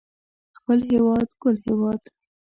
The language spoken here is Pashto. خپل هيواد ګل هيواد